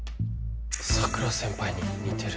桜先輩に似てる。